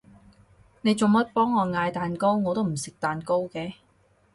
你做乜幫我嗌蛋糕？我都唔食蛋糕嘅